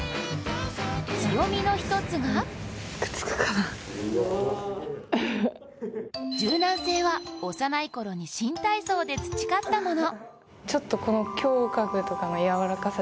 強みの１つが柔軟性は幼い頃に新体操で培ったもの。